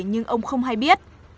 nhưng ông không hay biết